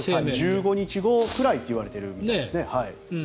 １５日後ぐらいといわれているんですね。